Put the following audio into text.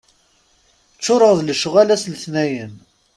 Ččuṛeɣ d lecɣal ass n letnayen.